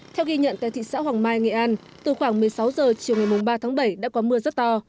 theo ghi nhận tại thị xã hoàng mai nghệ an từ khoảng một mươi sáu h chiều ngày ba tháng bảy đã có mưa rất to